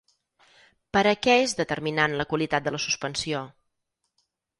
Per a què és determinant la qualitat de la suspensió?